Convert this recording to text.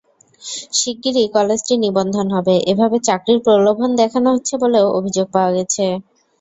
শিগগিরই কলেজটি নিবন্ধন হবে—এভাবে চাকরির প্রলোভন দেখানো হচ্ছে বলেও অভিযোগ পাওয়া গেছে।